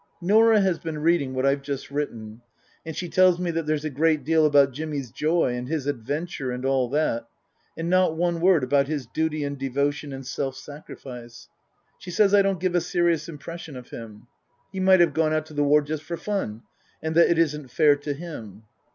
Norah has been reading what I've just written, and she tells me that there's a great deal about Jimmy's " joy " and his " adventure " and all that ; and not one word about his duty and devotion and self sacrifice. She says I don't give a serious impression of him. He might have gone out to the war just for fun, and that it isn't fair to him.